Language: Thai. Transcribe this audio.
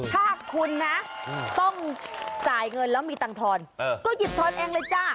ถ้าคุณนะต้องจ่ายเงินแล้วมีตังค์ทอนก็หยิบทอนเองเลยจ้ะ